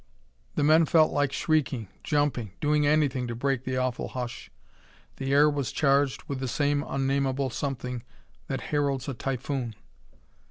The men felt like shrieking, jumping doing anything to break the awful hush. The air was charged with the same unnameable something that heralds a typhoon.